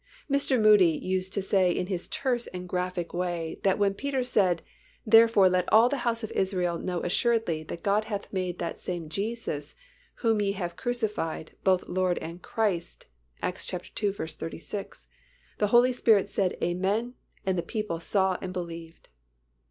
Mr. Moody used to say in his terse and graphic way that when Peter said, "Therefore let all the house of Israel know assuredly that God hath made that same Jesus, whom ye have crucified, both Lord and Christ (Acts ii. 36), the Holy Spirit said, 'Amen' and the people saw and believed."